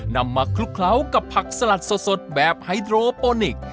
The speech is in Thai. นำมาคลุกเคล้ากับผักสลัดสดแบบไฮโดรโปนิกส์